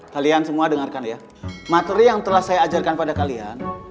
kalian semua dengarkan ya materi yang telah saya ajarkan pada kalian